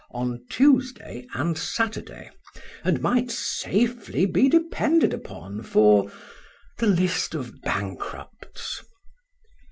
on Tuesday and Saturday, and might safely be depended upon for—the list of bankrupts."